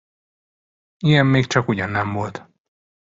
Ilyen még csakugyan nem volt.